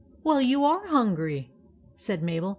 " Well, you are hungry !" said Mabel.